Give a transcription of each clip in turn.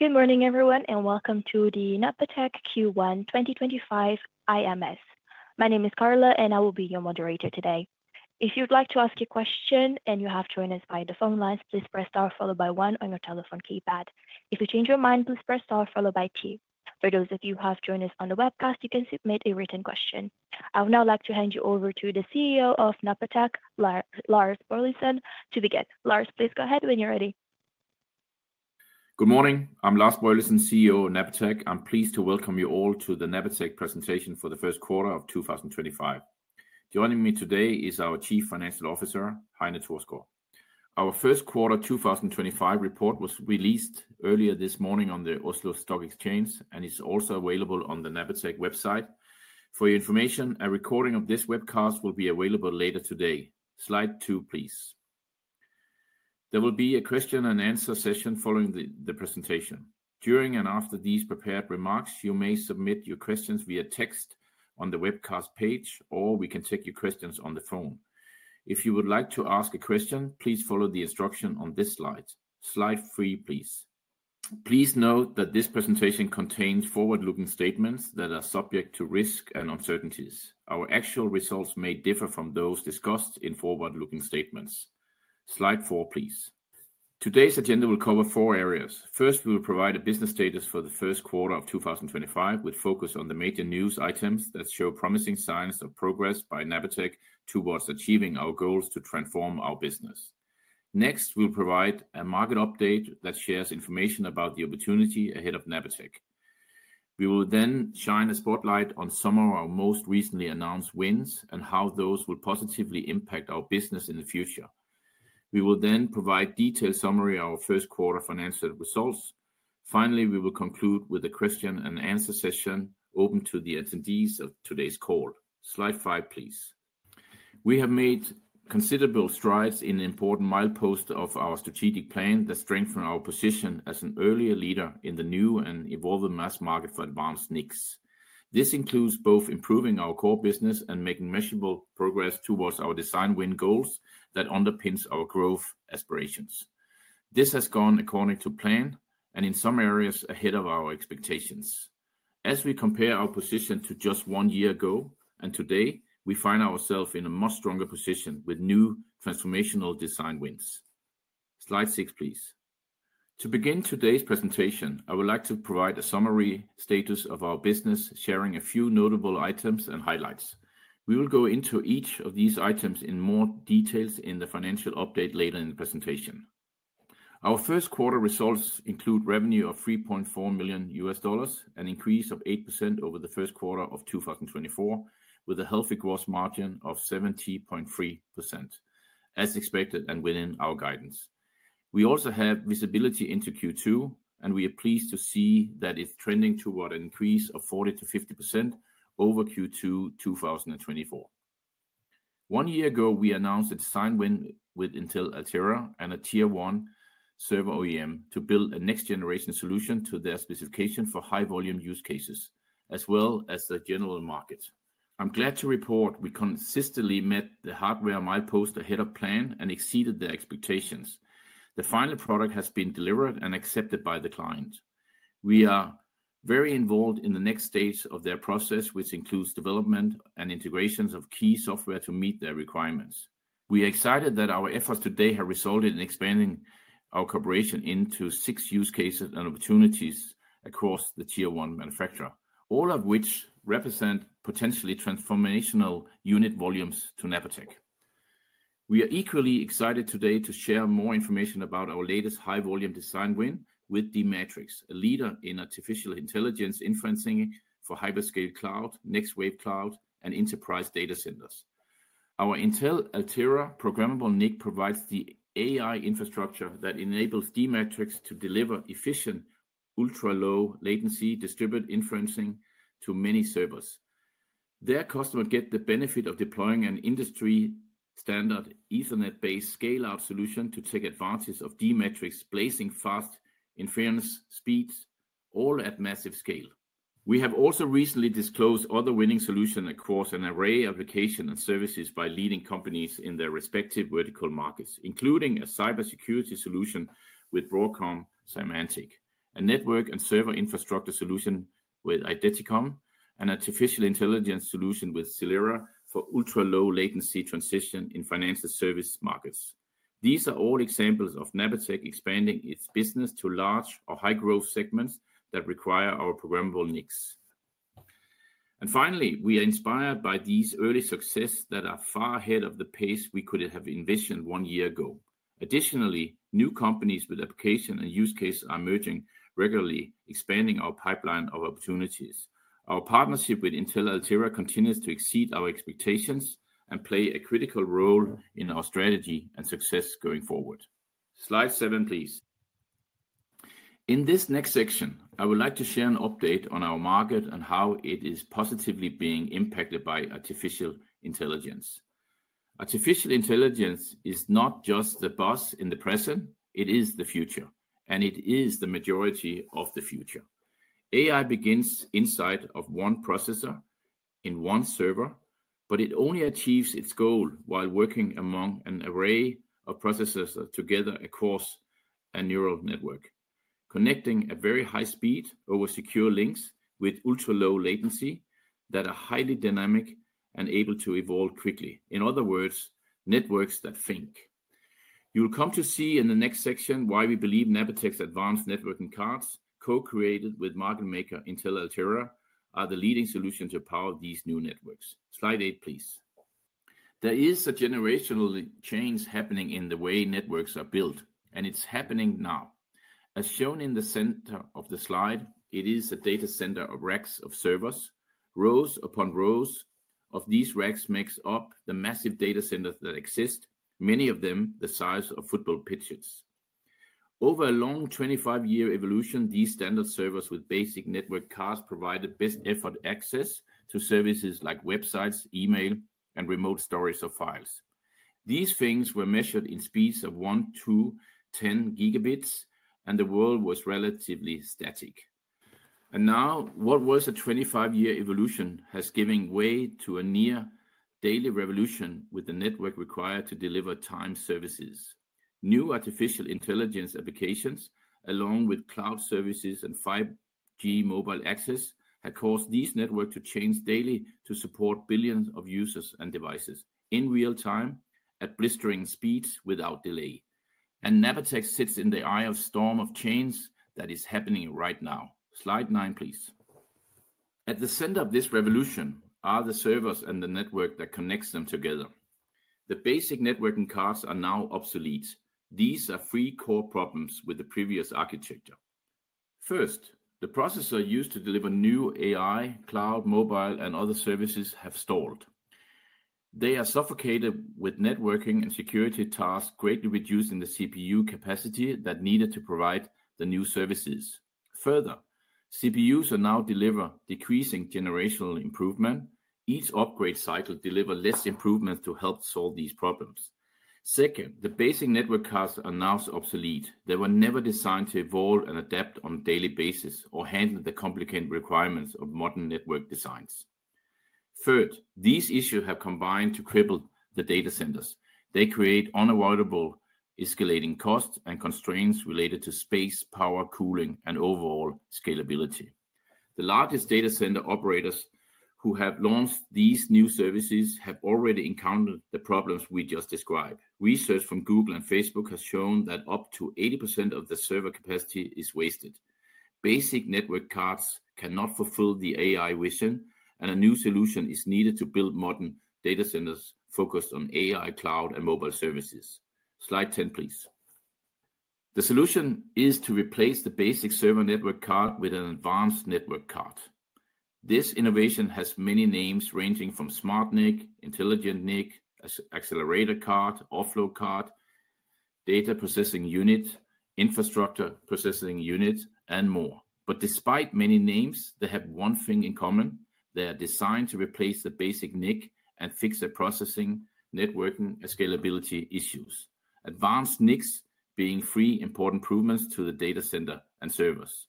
Good morning, everyone, and welcome to the Napatech Q1 2025 IMS. My name is Carla, and I will be your moderator today. If you'd like to ask a question and you have joined us by the phone lines, please press star followed by one on your telephone keypad. If you change your mind, please press star followed by two. For those of you who have joined us on the webcast, you can submit a written question. I would now like to hand you over to the CEO of Napatech, Lars Boilesen, to begin. Lars, please go ahead when you're ready. Good morning. I'm Lars Boilesen, CEO of Napatech. I'm pleased to welcome you all to the Napatech presentation for the first quarter of 2025. Joining me today is our Chief Financial Officer, Heine Thorsgaard. Our first quarter 2025 report was released earlier this morning on the Oslo Stock Exchange and is also available on the Napatech website. For your information, a recording of this webcast will be available later today. Slide two, please. There will be a question-and-answer session following the presentation. During and after these prepared remarks, you may submit your questions via text on the webcast page, or we can take your questions on the phone. If you would like to ask a question, please follow the instruction on this slide. Slide three, please. Please note that this presentation contains forward-looking statements that are subject to risk and uncertainties. Our actual results may differ from those discussed in forward-looking statements. Slide four, please. Today's agenda will cover four areas. First, we will provide a business status for the first quarter of 2025 with focus on the major news items that show promising signs of progress by Napatech towards achieving our goals to transform our business. Next, we'll provide a market update that shares information about the opportunity ahead of Napatech. We will then shine a spotlight on some of our most recently announced wins and how those will positively impact our business in the future. We will then provide a detailed summary of our first quarter financial results. Finally, we will conclude with a question-and-answer session open to the attendees of today's call. Slide five, please. We have made considerable strides in important milestones of our strategic plan that strengthen our position as an earlier leader in the new and evolving mass market for advanced NICs. This includes both improving our core business and making measurable progress towards our design win goals that underpin our growth aspirations. This has gone according to plan and in some areas ahead of our expectations. As we compare our position to just one year ago and today, we find ourselves in a much stronger position with new transformational design wins. Slide six, please. To begin today's presentation, I would like to provide a summary status of our business, sharing a few notable items and highlights. We will go into each of these items in more detail in the financial update later in the presentation. Our first quarter results include revenue of $3.4 million US dollars, an increase of 8% over the first quarter of 2024, with a healthy gross margin of 70.3%, as expected and within our guidance. We also have visibility into Q2, and we are pleased to see that it's trending toward an increase of 40%-50% over Q2 2024. One year ago, we announced a design win with Intel Altera and a Tier 1 server OEM to build a next-generation solution to their specification for high-volume use cases, as well as the general market. I'm glad to report we consistently met the hardware milestones ahead of plan and exceeded their expectations. The final product has been delivered and accepted by the client. We are very involved in the next stage of their process, which includes development and integrations of key software to meet their requirements. We are excited that our efforts today have resulted in expanding our cooperation into six use cases and opportunities across the Tier 1 manufacturer, all of which represent potentially transformational unit volumes to Napatech. We are equally excited today to share more information about our latest high-volume design win with d-Matrix, a leader in artificial intelligence inferencing for hyperscale cloud, next wave cloud, and enterprise data centers. Our Intel Altera programmable NIC provides the AI infrastructure that enables d-Matrix to deliver efficient ultra-low-latency distributed inferencing to many servers. Their customers get the benefit of deploying an industry-standard Ethernet-based scale-out solution to take advantage of d-Matrix' blazing-fast inference speeds, all at massive scale. We have also recently disclosed other winning solutions across an array of applications and services by leading companies in their respective vertical markets, including a cybersecurity solution with Broadcom Symantec, a network and server infrastructure solution with Eideticom, and an artificial intelligence solution with Celera for ultra-low-latency transition in financial service markets. These are all examples of Napatech expanding its business to large or high-growth segments that require our programmable NICs. We are inspired by these early successes that are far ahead of the pace we could have envisioned one year ago. Additionally, new companies with applications and use cases are emerging regularly, expanding our pipeline of opportunities. Our partnership with Intel Altera continues to exceed our expectations and play a critical role in our strategy and success going forward. Slide seven, please. In this next section, I would like to share an update on our market and how it is positively being impacted by artificial intelligence. Artificial intelligence is not just the buzz in the present; it is the future, and it is the majority of the future. AI begins inside of one processor in one server, but it only achieves its goal while working among an array of processors together across a neural network, connecting at very high speed over secure links with ultra-low latency that are highly dynamic and able to evolve quickly. In other words, networks that think. You'll come to see in the next section why we believe Napatech's advanced networking cards, co-created with market maker Intel Altera, are the leading solution to power these new networks. Slide eight, please. There is a generational change happening in the way networks are built, and it's happening now. As shown in the center of the slide, it is a data center of racks of servers. Rows upon rows of these racks make up the massive data centers that exist, many of them the size of football pitches. Over a long 25-year evolution, these standard servers with basic network cards provided best effort access to services like websites, email, and remote storage of files. These things were measured in speeds of 1 Gb-10 Gb, and the world was relatively static. Now, what was a 25-year evolution has given way to a near daily revolution with the network required to deliver time services. New artificial intelligence applications, along with cloud services and 5G mobile access, have caused these networks to change daily to support billions of users and devices in real time at blistering speeds without delay. Napatech sits in the eye of a storm of change that is happening right now. Slide nine, please. At the center of this revolution are the servers and the network that connects them together. The basic networking cards are now obsolete. These are three core problems with the previous architecture. First, the processor used to deliver new AI, cloud, mobile, and other services has stalled. They are suffocated with networking and security tasks, greatly reducing the CPU capacity that is needed to provide the new services. Further, CPUs are now delivering decreasing generational improvement. Each upgrade cycle delivers less improvement to help solve these problems. Second, the basic network cards are now obsolete. They were never designed to evolve and adapt on a daily basis or handle the complicated requirements of modern network designs. Third, these issues have combined to cripple the data centers. They create unavoidable escalating costs and constraints related to space, power, cooling, and overall scalability. The largest data center operators who have launched these new services have already encountered the problems we just described. Research from Google and Facebook has shown that up to 80% of the server capacity is wasted. Basic network cards cannot fulfill the AI vision, and a new solution is needed to build modern data centers focused on AI, Cloud, and mobile services. Slide 10, please. The solution is to replace the basic server network card with an advanced network card. This innovation has many names ranging from SmartNIC, intelligent NIC, accelerator card, offload card, data processing unit, infrastructure processing unit, and more. Despite many names, they have one thing in common. They are designed to replace the basic NIC and fix the processing, networking, and scalability issues. Advanced NICs bring three important improvements to the data center and servers.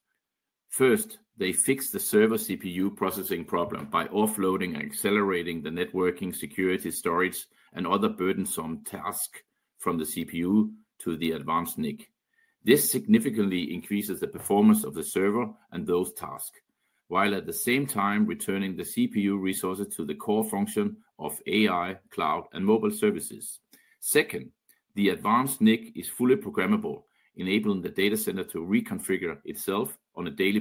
First, they fix the server CPU processing problem by offloading and accelerating the networking, security, storage, and other burdensome tasks from the CPU to the advanced NIC. This significantly increases the performance of the server and those tasks, while at the same time returning the CPU resources to the core function of AI, cloud, and mobile services. Second, the advanced NIC is fully programmable, enabling the data center to reconfigure itself on a daily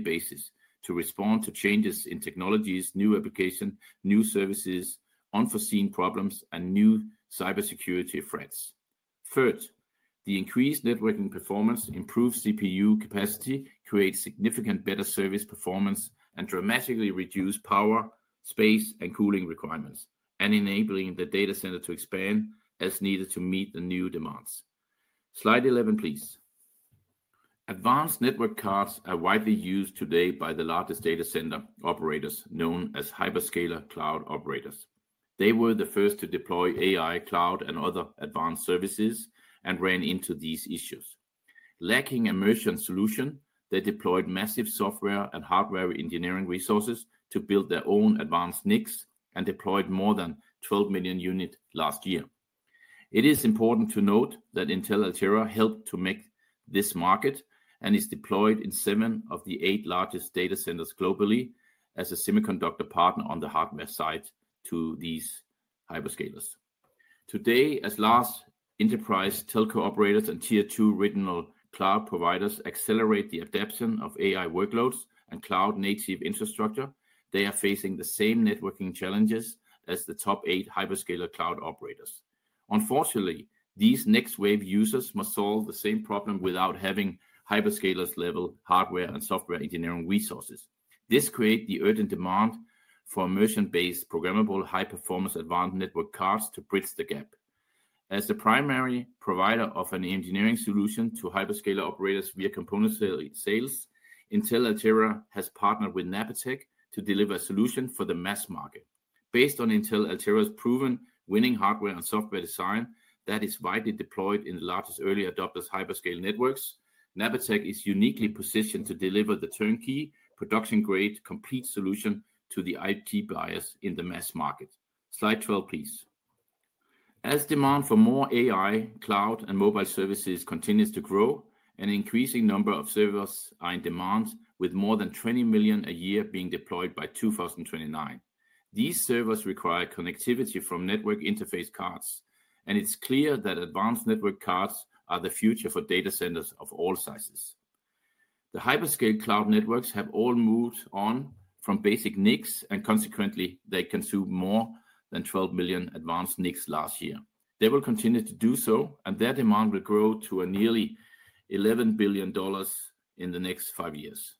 basis to respond to changes in technologies, new applications, new services, unforeseen problems, and new cybersecurity threats. Third, the increased networking performance improves CPU capacity, creates significantly better service performance, and dramatically reduces power, space, and cooling requirements, enabling the data center to expand as needed to meet the new demands. Slide 11, please. Advanced network cards are widely used today by the largest data center operators known as hyperscaler cloud operators. They were the first to deploy AI Cloud, and other advanced services and ran into these issues. Lacking immersion solutions, they deployed massive software and hardware engineering resources to build their own advanced NICs and deployed more than 12 million units last year. It is important to note that Intel Altera helped to make this market and is deployed in seven of the eight largest data centers globally as a semiconductor partner on the hardware side to these hyperscalers. Today, as large enterprise telco operators and Tier 2 regional cloud providers accelerate the adaptation of AI workloads and cloud-native infrastructure, they are facing the same networking challenges as the top eight hyperscaler cloud operators. Unfortunately, these next-wave users must solve the same problem without having hyperscaler-level hardware and software engineering resources. This creates the urgent demand for immersion-based programmable high-performance advanced network cards to bridge the gap. As the primary provider of an engineering solution to hyperscaler operators via component sales, Intel Altera has partnered with Napatech to deliver a solution for the mass market. Based on Intel Altera's proven winning hardware and software design that is widely deployed in the largest early adopters' hyperscale networks, Napatech is uniquely positioned to deliver the turnkey, production-grade, complete solution to the IT buyers in the mass market. Slide 12, please. As demand for more AI, Cloud, and Mobile Services continues to grow, an increasing number of servers are in demand, with more than 20 million a year being deployed by 2029. These servers require connectivity from network interface cards, and it's clear that advanced network cards are the future for data centers of all sizes. The hyperscale cloud networks have all moved on from basic NICs, and consequently, they consumed more than 12 million advanced NICs last year. They will continue to do so, and their demand will grow to nearly $11 billion in the next five years.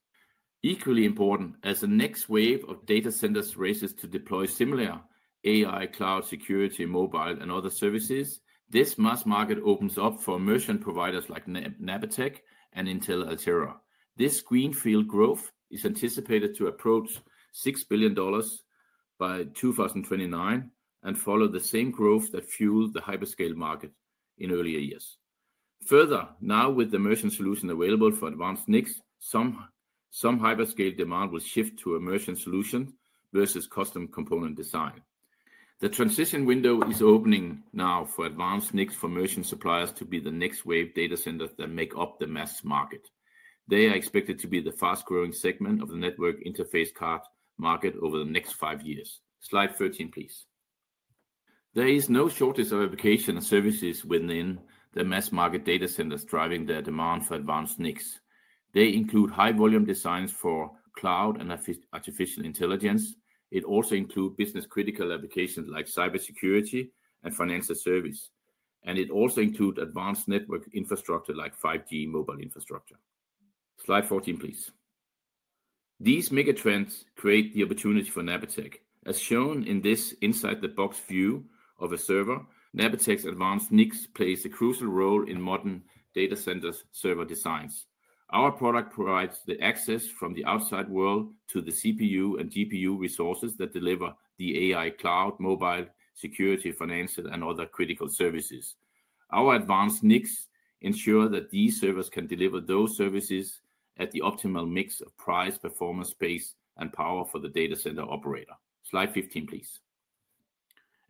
Equally important, as the next wave of data centers races to deploy similar AI, cloud, security, mobile, and other services, this mass market opens up for merchant providers like Napatech and Intel Altera. This greenfield growth is anticipated to approach $6 billion by 2029 and follow the same growth that fueled the hyperscale market in earlier years. Further, now with the merchant solution available for advanced NICs, some hyperscale demand will shift to a merchant solution versus custom component design. The transition window is opening now for advanced NICs for merchant suppliers to be the next-wave data centers that make up the mass market. They are expected to be the fast-growing segment of the network interface card market over the next five years. Slide 13, please. There is no shortage of applications and services within the mass market data centers driving their demand for advanced NICs. They include high-volume designs for cloud and artificial intelligence. It also includes business-critical applications like cybersecurity and financial service. It also includes advanced network infrastructure like 5G mobile infrastructure. Slide 14, please. These mega trends create the opportunity for Napatech. As shown in this inside-the-box view of a server, Napatech's advanced NICs play a crucial role in modern data centers' server designs. Our product provides the access from the outside world to the CPU and GPU resources that deliver the AI, cloud, mobile, security, financial, and other critical services. Our advanced NICs ensure that these servers can deliver those services at the optimal mix of price, performance, space, and power for the data center operator. Slide 15, please.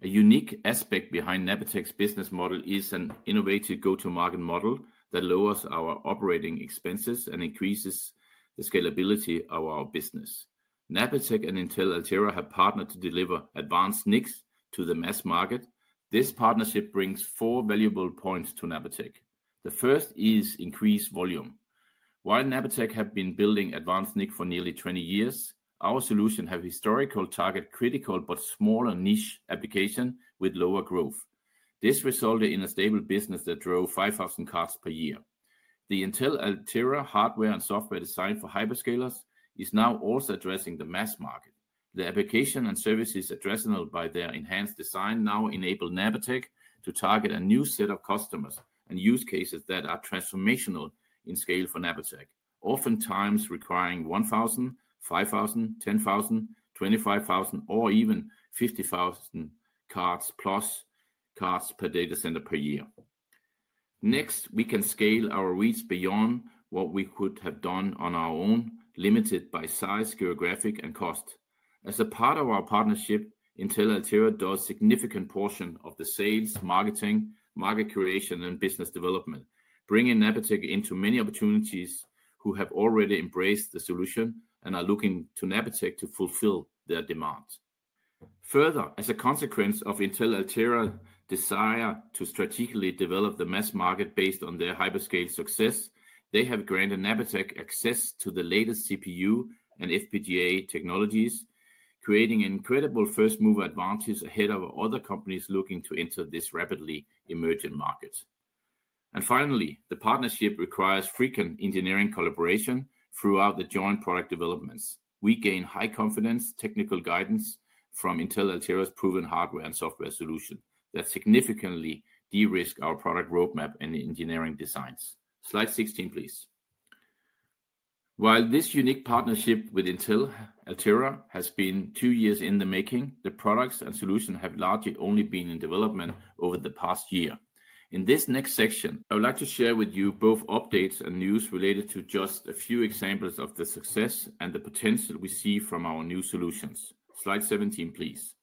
A unique aspect behind Napatech's business model is an innovative go-to-market model that lowers our operating expenses and increases the scalability of our business. Napatech and Intel Altera have partnered to deliver advanced NICs to the mass market. This partnership brings four valuable points to Napatech. The first is increased volume. While Napatech has been building advanced NICs for nearly 20 years, our solution has historically targeted critical but smaller niche applications with lower growth. This resulted in a stable business that drove 5,000 cards per year. The Intel Altera hardware and software design for hyperscalers is now also addressing the mass market. The applications and services addressed by their enhanced design now enable Napatech to target a new set of customers and use cases that are transformational in scale for Napatech, oftentimes requiring 1,000, 5,000, 10,000, 25,000, or even 50,000 cards per data center per year. Next, we can scale our reach beyond what we could have done on our own, limited by size, geographic, and cost. As a part of our partnership, Intel Altera does a significant portion of the sales, marketing, market creation, and business development, bringing Napatech into many opportunities who have already embraced the solution and are looking to Napatech to fulfill their demands. Further, as a consequence of Intel Altera's desire to strategically develop the mass market based on their hyperscale success, they have granted Napatech access to the latest CPU and FPGA technologies, creating an incredible first-mover advantage ahead of other companies looking to enter this rapidly emerging market. Finally, the partnership requires frequent engineering collaboration throughout the joint product developments. We gain high confidence technical guidance from Intel Altera's proven hardware and software solutions that significantly de-risk our product roadmap and engineering designs. Slide 16, please. While this unique partnership with Intel Altera has been two years in the making, the products and solutions have largely only been in development over the past year. In this next section, I would like to share with you both updates and news related to just a few examples of the success and the potential we see from our new solutions. Slide 17, please.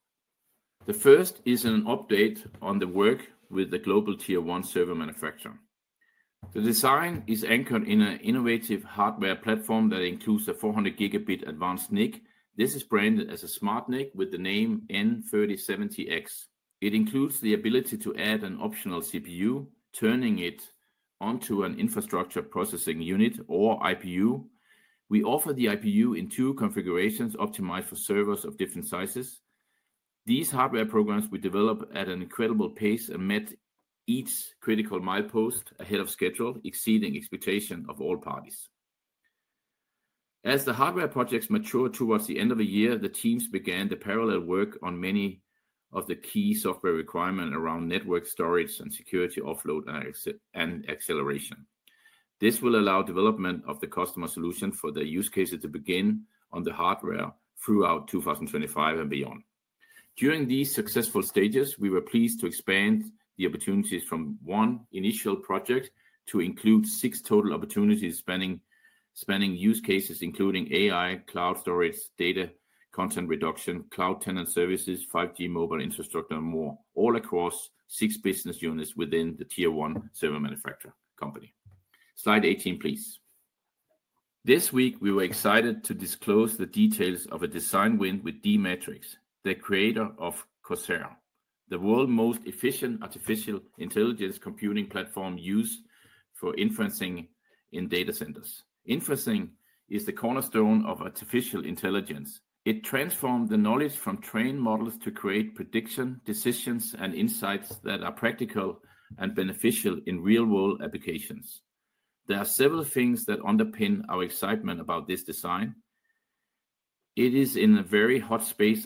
The first is an update on the work with the global Tier 1 server manufacturer. The design is anchored in an innovative hardware platform that includes a 400 Gb advanced NIC. This is branded as a SmartNIC with the name N3070X. It includes the ability to add an optional CPU, turning it into an infrastructure processing unit or IPU. We offer the IPU in two configurations optimized for servers of different sizes. These hardware programs we develop at an incredible pace and met each critical milepost ahead of schedule, exceeding expectations of all parties. As the hardware projects mature towards the end of the year, the teams began the parallel work on many of the key software requirements around network storage and security offload and acceleration. This will allow the development of the customer solution for the use cases to begin on the hardware throughout 2025 and beyond. During these successful stages, we were pleased to expand the opportunities from one initial project to include six total opportunities spanning use cases, including AI, cloud storage, data content reduction, cloud tenant services, 5G mobile infrastructure, and more, all across six business units within the Tier 1 server manufacturer company. Slide 18, please. This week, we were excited to disclose the details of a design win with d-Matrix, the creator of Corsair, the world's most efficient artificial intelligence computing platform used for inferencing in data centers. Inferencing is the cornerstone of artificial intelligence. It transformed the knowledge from trained models to create prediction decisions and insights that are practical and beneficial in real-world applications. There are several things that underpin our excitement about this design. It is in a very hot space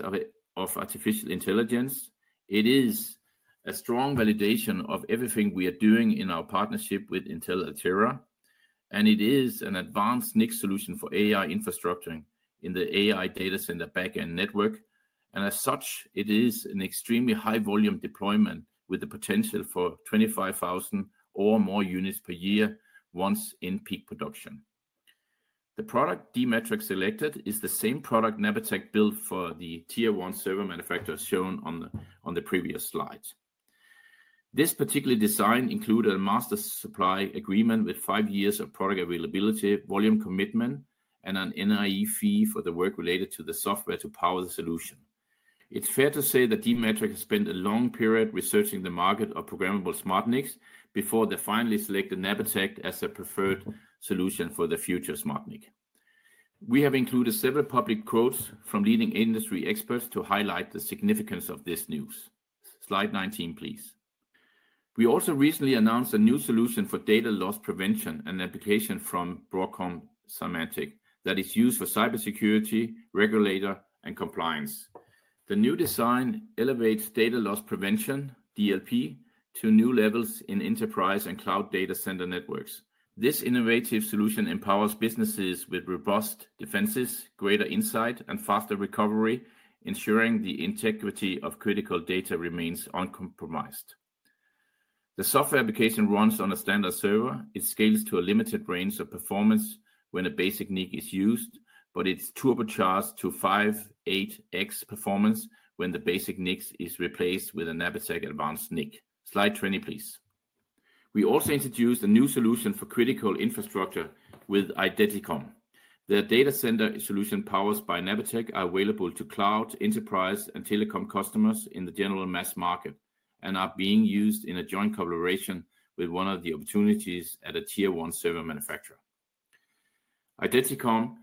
of artificial intelligence. It is a strong validation of everything we are doing in our partnership with Intel Altera, and it is an advanced NIC solution for AI infrastructure in the AI data center backend network. As such, it is an extremely high-volume deployment with the potential for 25,000 or more units per year once in peak production. The product d-Matrix selected is the same product Napatech built for the Tier 1 server manufacturers shown on the previous slides. This particular design included a master supply agreement with five years of product availability, volume commitment, and an NIE fee for the work related to the software to power the solution. It's fair to say that d-Matrix has spent a long period researching the market of programmable SmartNICs before they finally selected Napatech as a preferred solution for the future SmartNIC. We have included several public quotes from leading industry experts to highlight the significance of this news. Slide 19, please. We also recently announced a new solution for data loss prevention and application from Broadcom Symantec that is used for cybersecurity, regulator, and compliance. The new design elevates data loss prevention, DLP, to new levels in enterprise and cloud data center networks. This innovative solution empowers businesses with robust defenses, greater insight, and faster recovery, ensuring the integrity of critical data remains uncompromised. The software application runs on a standard server. It scales to a limited range of performance when a basic NIC is used, but it is turbocharged to 5x-8x performance when the basic NIC is replaced with a Napatech advanced NIC. Slide 20, please. We also introduced a new solution for critical infrastructure with Eideticom. The data center solution powered by Napatech is available to cloud, enterprise, and telecom customers in the general mass market and is being used in a joint collaboration with one of the opportunities at a Tier 1 server manufacturer. Eideticom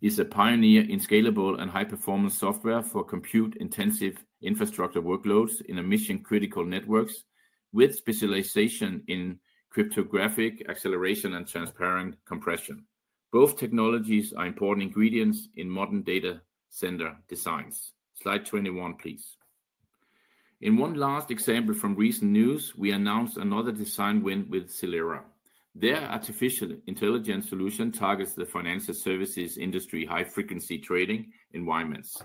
is a pioneer in scalable and high-performance software for compute-intensive infrastructure workloads in mission-critical networks with specialization in cryptographic acceleration and transparent compression. Both technologies are important ingredients in modern data center designs. Slide 21, please. In one last example from recent news, we announced another design win with Celera. Their artificial intelligence solution targets the financial services industry high-frequency trading environments.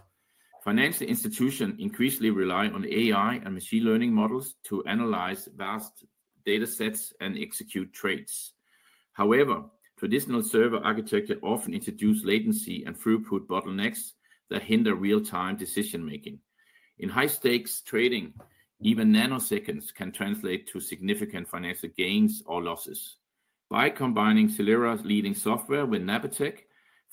Financial institutions increasingly rely on AI and machine learning models to analyze vast data sets and execute trades. However, traditional server architecture often introduces latency and throughput bottlenecks that hinder real-time decision-making. In high-stakes trading, even nanoseconds can translate to significant financial gains or losses. By combining Celera's leading software with Napatech,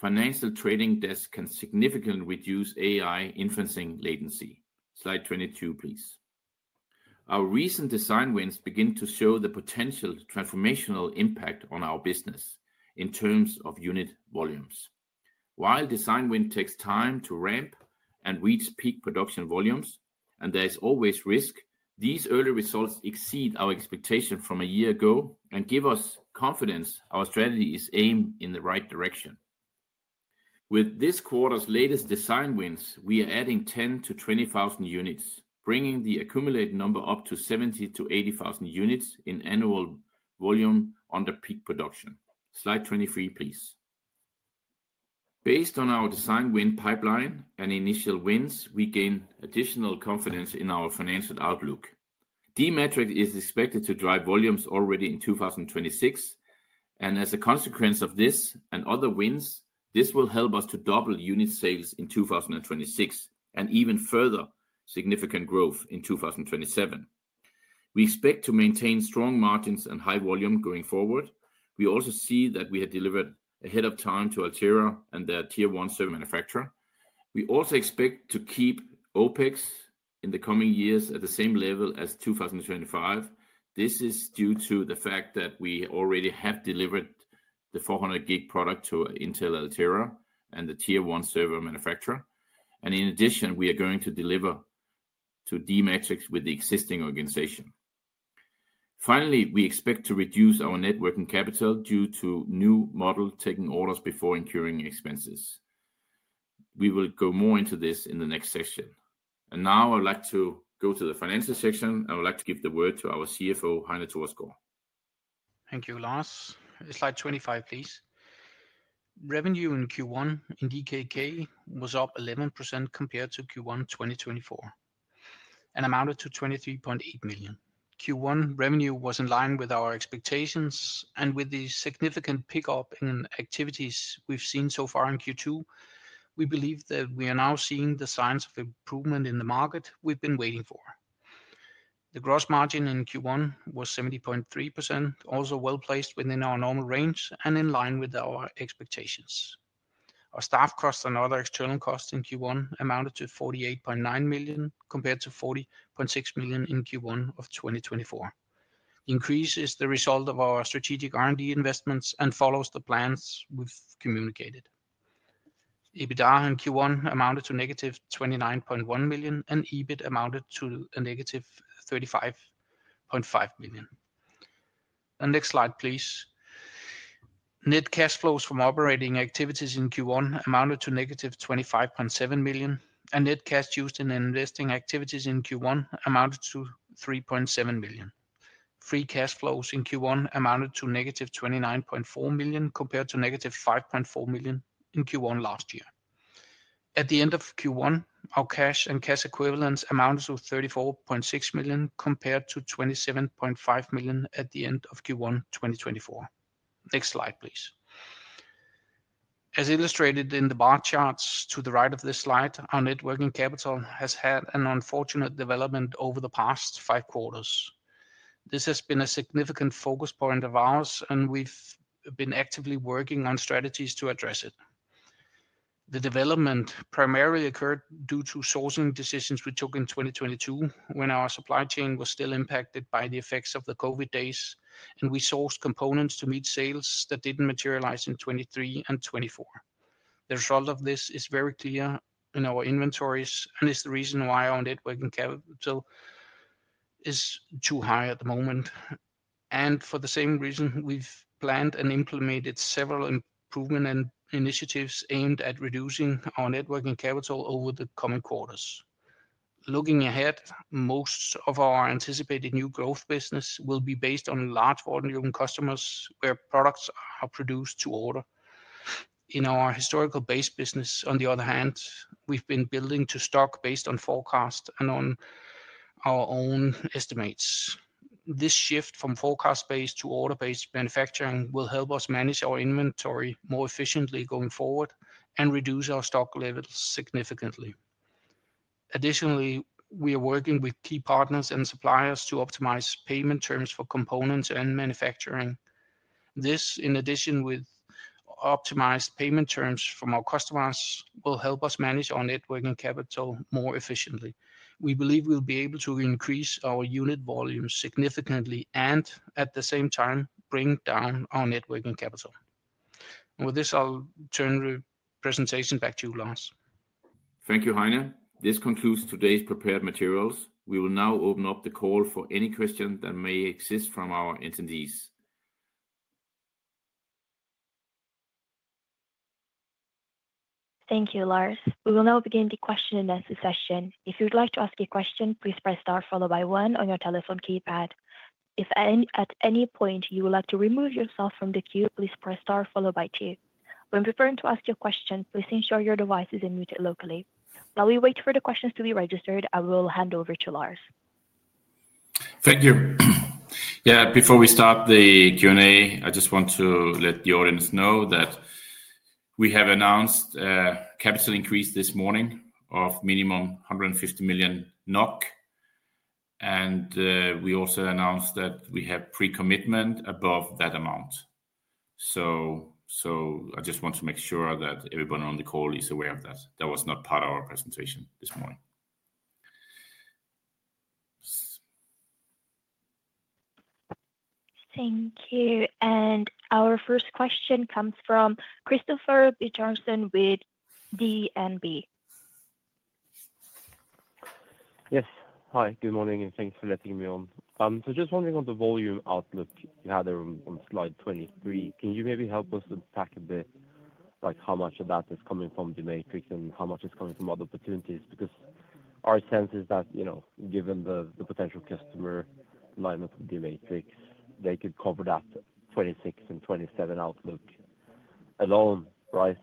financial trading desks can significantly reduce AI inferencing latency. Slide 22, please. Our recent design wins begin to show the potential transformational impact on our business in terms of unit volumes. While design wins take time to ramp and reach peak production volumes, and there is always risk, these early results exceed our expectations from a year ago and give us confidence our strategy is aimed in the right direction. With this quarter's latest design wins, we are adding 10,000-20,000 units, bringing the accumulated number up to 70,000-80,000 units in annual volume under peak production. Slide 23, please. Based on our design win pipeline and initial wins, we gain additional confidence in our financial outlook. d-Matrix is expected to drive volumes already in 2026, and as a consequence of this and other wins, this will help us to double unit sales in 2026 and even further significant growth in 2027. We expect to maintain strong margins and high volume going forward. We also see that we have delivered ahead of time to Intel Altera and their Tier 1 server manufacturer. We also expect to keep OpEx in the coming years at the same level as 2025. This is due to the fact that we already have delivered the 400G product to Intel Altera and the Tier 1 server manufacturer. In addition, we are going to deliver to d-Matrix with the existing organization. Finally, we expect to reduce our networking capital due to new models taking orders before incurring expenses. We will go more into this in the next section. I would like to go to the financial section, and I would like to give the word to our CFO, Heine Thorsgaard. Thank you, Lars. Slide 25, please. Revenue in Q1 in DKK was up 11% compared to Q1 2024 and amounted to 23.8 million. Q1 revenue was in line with our expectations, and with the significant pickup in activities we have seen so far in Q2, we believe that we are now seeing the signs of improvement in the market we have been waiting for. The gross margin in Q1 was 70.3%, also well placed within our normal range and in line with our expectations. Our staff costs and other external costs in Q1 amounted to 48.9 million compared to 40.6 million in Q1 of 2024. The increase is the result of our strategic R&D investments and follows the plans we have communicated. EBITDA in Q1 amounted to -29.1 million, and EBIT amounted to a -35.5 million. Next slide, please. Net cash flows from operating activities in Q1 amounted to -25.7 million, and net cash used in investing activities in Q1 amounted to 3.7 million. Free cash flows in Q1 amounted to -29.4 million compared to -5.4 million in Q1 last year. At the end of Q1, our cash and cash equivalents amounted to 34.6 million compared to 27.5 million at the end of Q1 2024. Next slide, please. As illustrated in the bar charts to the right of this slide, our networking capital has had an unfortunate development over the past five quarters. This has been a significant focus point of ours, and we've been actively working on strategies to address it. The development primarily occurred due to sourcing decisions we took in 2022 when our supply chain was still impacted by the effects of the COVID days, and we sourced components to meet sales that did not materialize in 2023 and 2024. The result of this is very clear in our inventories and is the reason why our networking capital is too high at the moment. For the same reason, we have planned and implemented several improvement initiatives aimed at reducing our networking capital over the coming quarters. Looking ahead, most of our anticipated new growth business will be based on large volume customers where products are produced to order. In our historical base business, on the other hand, we have been building to stock based on forecasts and on our own estimates. This shift from forecast-based to order-based manufacturing will help us manage our inventory more efficiently going forward and reduce our stock levels significantly. Additionally, we are working with key partners and suppliers to optimize payment terms for components and manufacturing. This, in addition to optimized payment terms from our customers, will help us manage our networking capital more efficiently. We believe we'll be able to increase our unit volume significantly and, at the same time, bring down our networking capital. With this, I'll turn the presentation back to you, Lars. Thank you, Heine. This concludes today's prepared materials. We will now open up the call for any questions that may exist from our attendees. Thank you, Lars. We will now begin the question-and-answer session. If you'd like to ask a question, please press star followed by one on your telephone keypad. If at any point you would like to remove yourself from the queue, please press star followed by two. When preparing to ask your question, please ensure your device is muted locally. While we wait for the questions to be registered, I will hand over to Lars. Thank you. Yeah, before we start the Q&A, I just want to let the audience know that we have announced a capital increase this morning of minimum 150 million NOK, and we also announced that we have pre-commitment above that amount. I just want to make sure that everyone on the call is aware of that. That was not part of our presentation this morning. Thank you. Our first question comes from Christopher Bjornsson with BNP. Yes. Hi, good morning, and thanks for letting me on. Just wondering on the volume outlook you had on slide 23, can you maybe help us unpack a bit how much of that is coming from d-Matrix and how much is coming from other opportunities? Because our sense is that given the potential customer lineup of d-Matrix, they could cover that 2026 and 2027 outlook alone, right?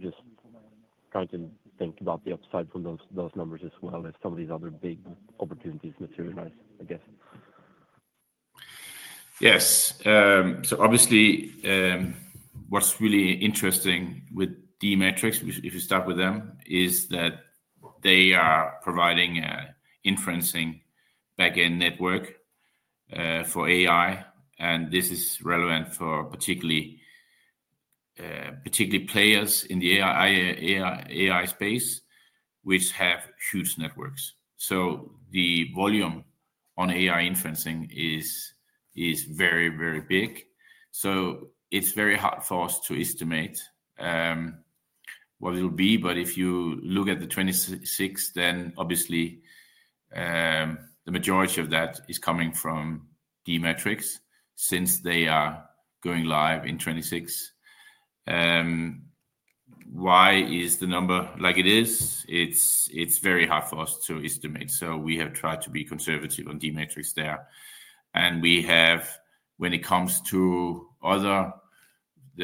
Just trying to think about the upside from those numbers as well if some of these other big opportunities materialize, I guess. Yes. Obviously, what's really interesting with d-Matrix, if you start with them, is that they are providing an inferencing backend network for AI, and this is relevant for particularly players in the AI space, which have huge networks. The volume on AI inferencing is very, very big. It's very hard for us to estimate what it will be, but if you look at 2026, then obviously the majority of that is coming from d-Matrix since they are going live in 2026. Why is the number like it is? It's very hard for us to estimate. We have tried to be conservative on d-Matrix there. When it comes to other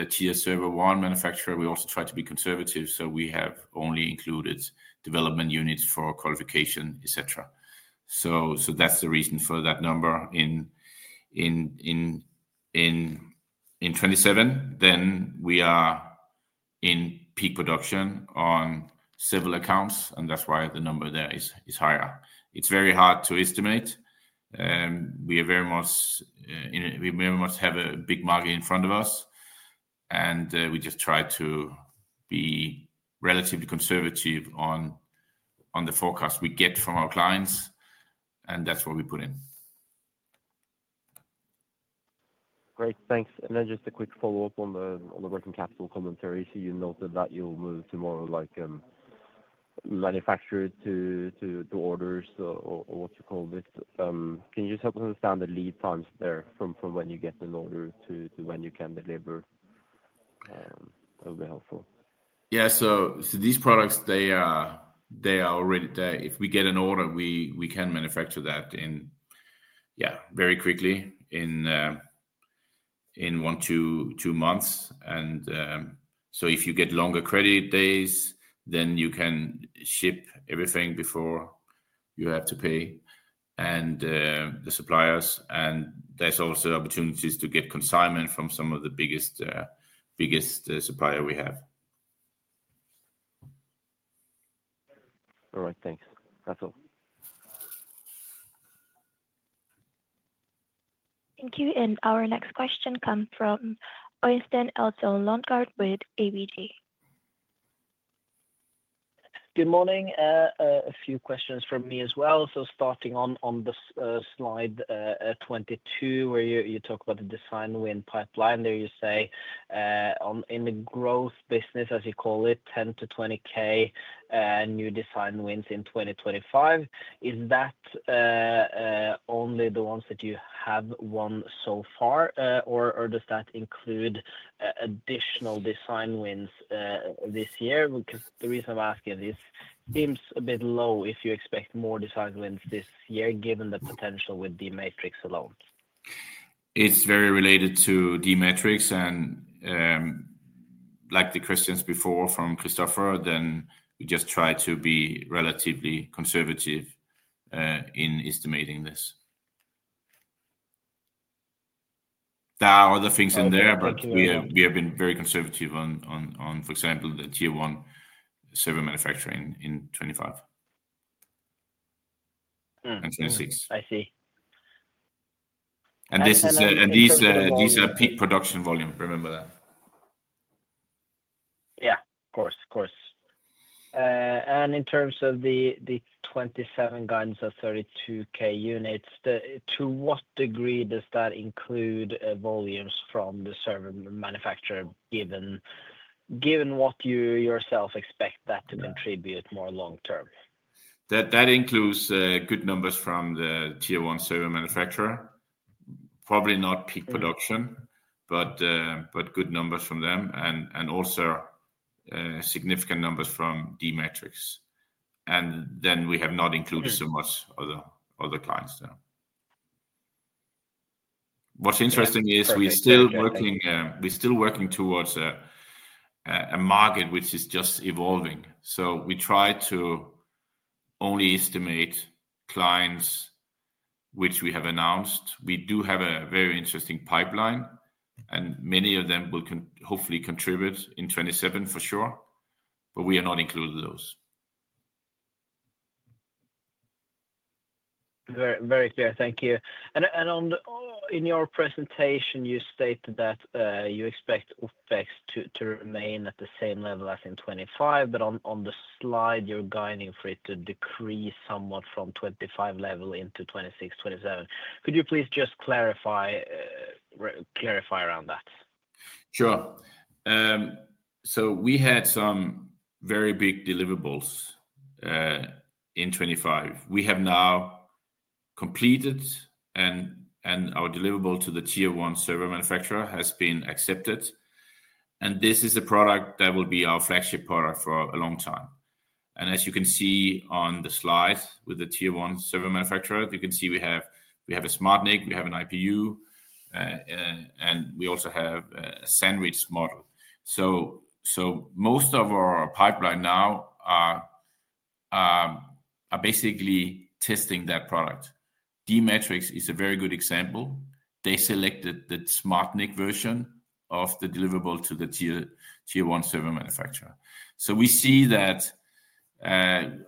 Tier 1 server manufacturers, we also try to be conservative. We have only included development units for qualification, etc. That's the reason for that number. In 2027, we are in peak production on several accounts, and that's why the number there is higher. It's very hard to estimate. We very much have a big market in front of us, and we just try to be relatively conservative on the forecast we get from our clients, and that's what we put in. Great. Thanks. And then just a quick follow-up on the working capital commentary. You noted that you'll move to more manufacturer to orders or what you call this. Can you just help us understand the lead times there from when you get an order to when you can deliver? That would be helpful. Yeah. These products, they are already there. If we get an order, we can manufacture that in, yeah, very quickly, in one to two months. If you get longer credit days, then you can ship everything before you have to pay the suppliers. There are also opportunities to get consignment from some of the biggest suppliers we have. All right. Thanks. That's all. Thank you. Our next question comes from Øystein Elton Lundgaard with ABG. Good morning. A few questions from me as well. Starting on slide 22, where you talk about the design win pipeline, there you say in the growth business, as you call it, 10K-20K new design wins in 2025, is that only the ones that you have won so far, or does that include additional design wins this year? Because the reason I'm asking, this seems a bit low if you expect more design wins this year, given the potential with d-Matrix alone. It's very related to d-Matrix. Like the questions before from Christopher, we just try to be relatively conservative in estimating this. There are other things in there, but we have been very conservative on, for example, the Tier 1 server manufacturing in 2025 and 2026. I see. These are peak production volume. Remember that. Yeah. Of course. Of course. In terms of the 2027 guidance of 32,000 units, to what degree does that include volumes from the server manufacturer, given what you yourself expect that to contribute more long-term? That includes good numbers from the Tier 1 server manufacturer. Probably not peak production, but good numbers from them and also significant numbers from d-Matrix. We have not included so much other clients there. What's interesting is we're still working towards a market which is just evolving. We try to only estimate clients which we have announced. We do have a very interesting pipeline, and many of them will hopefully contribute in 2027 for sure, but we have not included those. Very clear. Thank you. In your presentation, you stated that you expect OpEx to remain at the same level as in 2025, but on the slide, you're guiding for it to decrease somewhat from the 2025 level into 2026, 2027. Could you please just clarify around that? Sure. We had some very big deliverables in 2025. We have now completed, and our deliverable to the tier one server manufacturer has been accepted. This is a product that will be our flagship product for a long time. As you can see on the slide with the tier one server manufacturer, you can see we have a SmartNIC, we have an IPU, and we also have a sandwich model. Most of our pipeline now are basically testing that product. d-Matrix is a very good example. They selected the SmartNIC version of the deliverable to the Tier 1 server manufacturer. We see that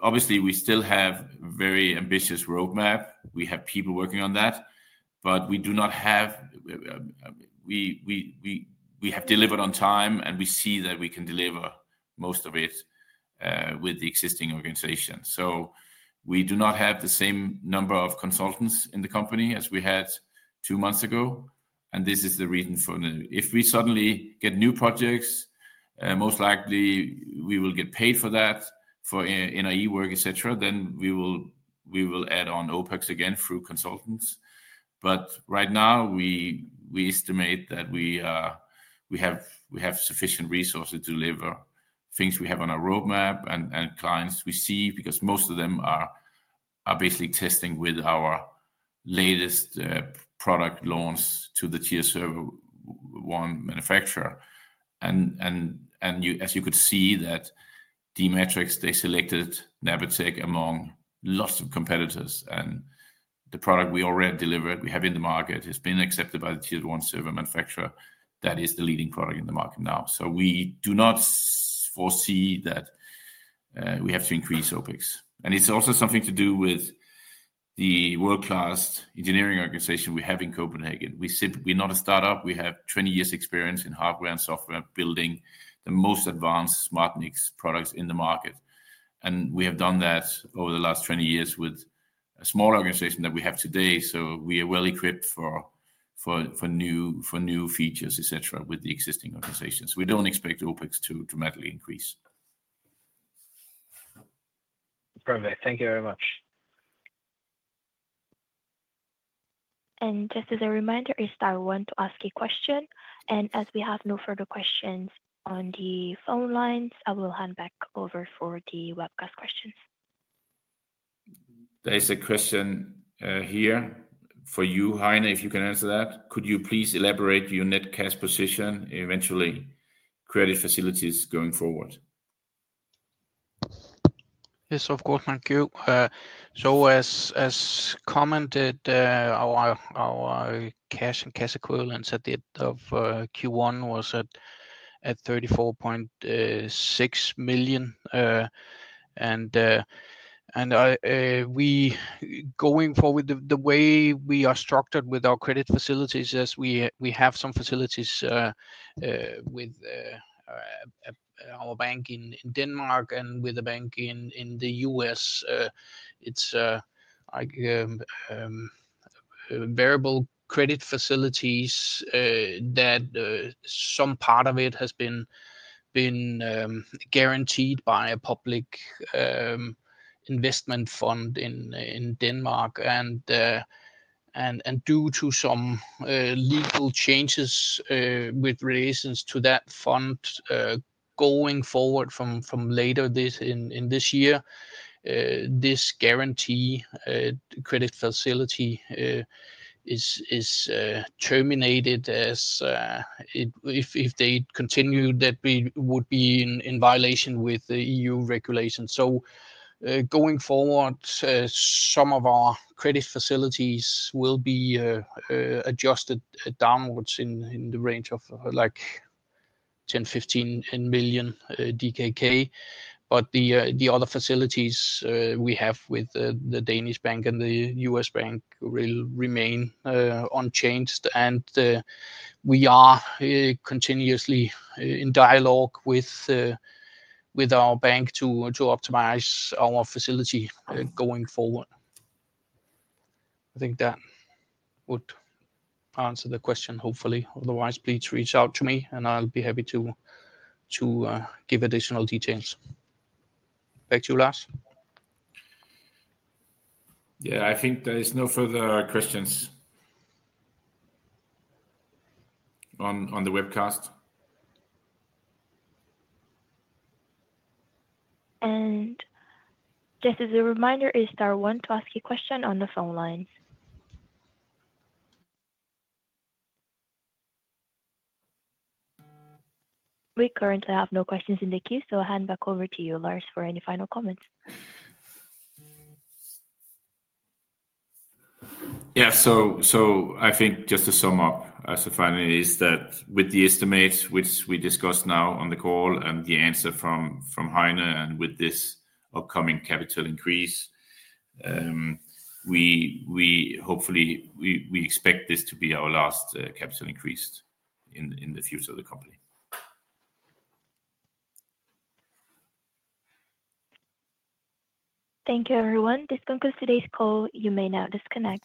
obviously we still have a very ambitious roadmap. We have people working on that, but we do not have—we have delivered on time, and we see that we can deliver most of it with the existing organization. We do not have the same number of consultants in the company as we had two months ago. This is the reason for if we suddenly get new projects, most likely we will get paid for that for NIE work, etc., then we will add on OpEx again through consultants. Right now, we estimate that we have sufficient resources to deliver things we have on our roadmap and clients we see because most of them are basically testing with our latest product launch to the Tier 1 server manufacturer. As you could see, d-Matrix, they selected Napatech among lots of competitors. The product we already delivered, we have in the market, has been accepted by the Tier 1 server manufacturer. That is the leading product in the market now. We do not foresee that we have to increase OpEx. It is also something to do with the world-class engineering organization we have in Copenhagen. We're not a startup. We have 20 years' experience in hardware and software building the most advanced SmartNICs products in the market. We have done that over the last 20 years with a small organization that we have today. We are well equipped for new features, etc., with the existing organizations. We do not expect OpEx to dramatically increase. Perfect. Thank you very much. Just as a reminder, I want to ask a question. As we have no further questions on the phone lines, I will hand back over for the webcast questions. There is a question here for you, Heine, if you can answer that. Could you please elaborate your net cash position, eventually credit facilities going forward? Yes, of course. Thank you. As commented, our cash and cash equivalents at the end of Q1 was at DKK 34.6 million. Going forward, the way we are structured with our credit facilities, as we have some facilities with our bank in Denmark and with a bank in the U.S., it is variable credit facilities that some part of it has been guaranteed by a public investment fund in Denmark. Due to some legal changes with relations to that fund going forward from later in this year, this guarantee credit facility is terminated. If they continue, that would be in violation with the EU regulations. Going forward, some of our credit facilities will be adjusted downwards in the range of 10-15 million DKK. The other facilities we have with the Danish Bank and the U.S. Bank will remain unchanged. We are continuously in dialogue with our bank to optimize our facility going forward. I think that would answer the question, hopefully. Otherwise, please reach out to me, and I'll be happy to give additional details. Back to you, Lars. Yeah. I think there are no further questions on the webcast. Just as a reminder, is there one to ask a question on the phone lines? We currently have no questions in the queue, so I'll hand back over to you, Lars, for any final comments. Yeah. I think just to sum up, as a final, is that with the estimates which we discussed now on the call and the answer from Heine and with this upcoming capital increase, hopefully, we expect this to be our last capital increase in the future of the company. Thank you, everyone. This concludes today's call. You may now disconnect.